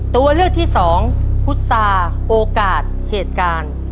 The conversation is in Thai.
ตัวเลือกที่สองพุษาโอกาสเหตุการณ์